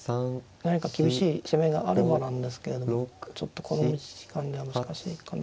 何か厳しい攻めがあればなんですけれどもちょっとこの時間では難しいかな。